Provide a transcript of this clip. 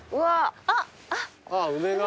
あっ梅が。